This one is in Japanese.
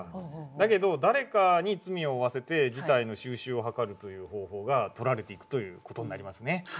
だけど誰かに罪を負わせて事態の収拾を図るという方法がとられていくという事になりますね。